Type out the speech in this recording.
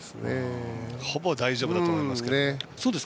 ほぼ大丈夫だと思いますけど。